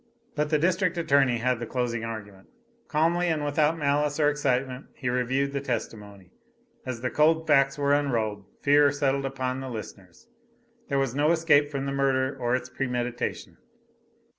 But the district attorney had the closing argument. Calmly and without malice or excitement he reviewed the testimony. As the cold facts were unrolled, fear settled upon the listeners. There was no escape from the murder or its premeditation.